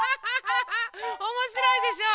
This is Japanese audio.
おもしろいでしょ？